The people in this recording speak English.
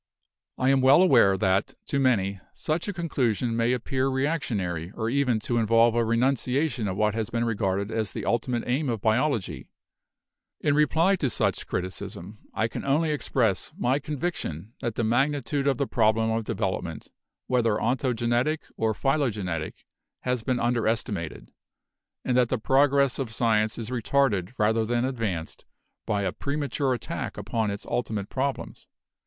"I am well aware that to many such a conclusion may appear reactionary or even to involve a renunciation of what has been regarded as the ultimate aim of biology. In reply to such a criticism, I can only express my con viction that the magnitude of the problem of development, whether ontogenetic or phylogenetic, has been under estimated; and that the progress of science is retarded rather than advanced by a premature attack upon its ulti mate problems.